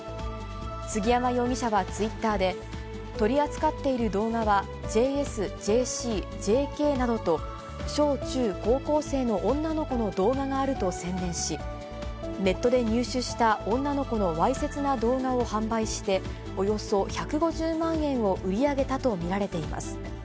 杉山容疑者はツイッターで、取り扱っている動画は、ＪＳ、ＪＣ、ＪＫなどと、小中高校生の女の子の動画があると宣伝し、ネットで入手した女の子のわいせつな動画を販売して、およそ１５０万円を売り上げたと見られています。